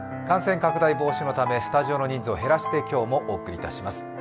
感染拡大防止のためスタジオの人数を減らして今日もお届けします。